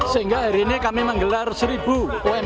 sehingga hari ini kami menggelar seribu umkm